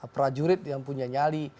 prajurit yang punya nyali